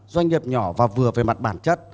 doanh nghiệp nhỏ và vừa về mặt bản chất